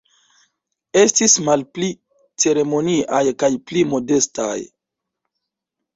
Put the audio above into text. Estis malpli ceremoniaj kaj pli modestaj.